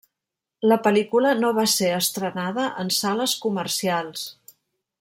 La pel·lícula no va ser estrenada en sales comercials.